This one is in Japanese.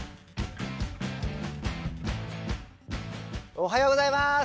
おはようございます。